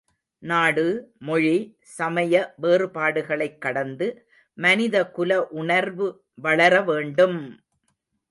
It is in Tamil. நாடு, மொழி, சமய வேறுபாடுகளைக் கடந்து மனிதகுல உணர்வு வளரவேண்டும்!